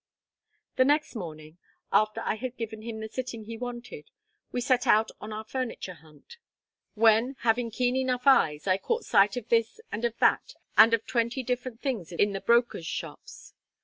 The next morning, after I had given him the sitting he wanted, we set out on our furniture hunt; when, having keen enough eyes, I caught sight of this and of that and of twenty different things in the brokers' shops.